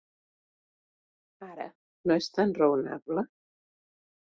Ara, no és tan raonable?